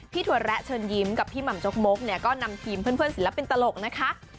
ถั่วแระเชิญยิ้มกับพี่หม่ำจกมกเนี่ยก็นำทีมเพื่อนศิลปินตลกนะคะ